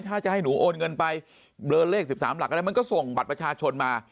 ถ้าจะให้หนูโอนเงินไปเบลอเลข๑๓หลักก็ได้มันก็ส่งบัตรประชาชนมา